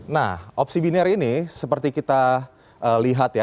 nah opsi biner ini seperti kita lihat ya